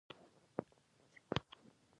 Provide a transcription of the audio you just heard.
بېصداقته ژوند له رڼا بېبرخې کېږي.